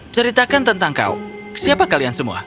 ceritakan tentang kau siapa kalian semua